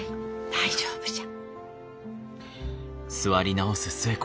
大丈夫じゃ。